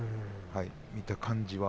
見た感じは。